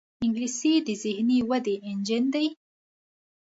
انګلیسي د ذهني ودې انجن دی